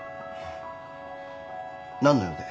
何の用で？